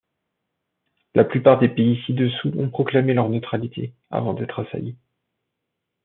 La plupart des pays ci-dessous ont proclamé leur neutralité avant d'être assaillis.